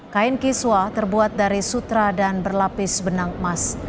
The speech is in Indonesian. kain kiswa terbuat dari sutra dan berlapis benang emas